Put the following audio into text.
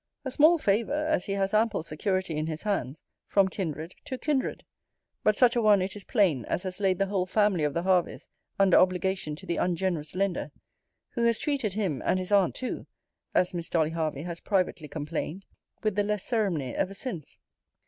A small favour (as he has ample security in his hands) from kindred to kindred: but such a one, it is plain, as has laid the whole family of the Herveys under obligation to the ungenerous lender, who has treated him, and his aunt too (as Miss Dolly Hervey has privately complained), with the less ceremony ever since.